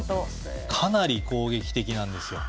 かなり攻撃的なんですよ。